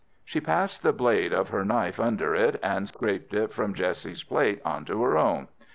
She passed the blade of her knife under it, and scraped it from Jessie's plate on to her own.